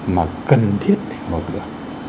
mà cần thiết để mở cửa